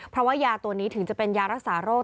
เพราะว่ายาตัวนี้ถึงจะเป็นยารักษาโรค